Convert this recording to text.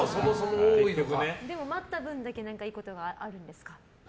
待った分だけいいことがあるんですか？